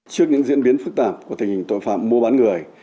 trước những diễn biến phức tạp của tình hình tội phạm mua bán người